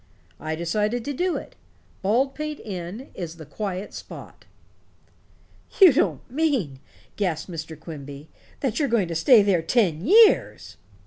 I decided to do it. Baldpate Inn is the quiet spot." "You don't mean," gasped Mr. Quimby, "that you're going to stay there ten years?"